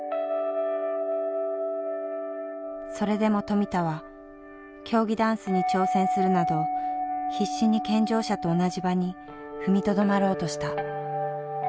それでも富田は競技ダンスに挑戦するなど必死に健常者と同じ場に踏みとどまろうとした。